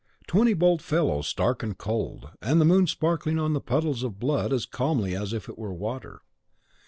Twenty bold fellows stark and cold, and the moon sparkling on the puddles of blood as calmly as if it were water.